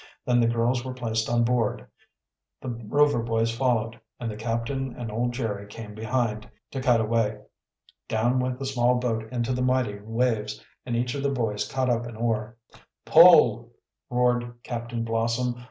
Then the girls were placed on board, the Rover boys followed, and the captain and old Jerry came behind, to cut away. Down went the small boat into the mighty waves, and each of the boys caught up an oar. "Pull!" roared Captain Blossom.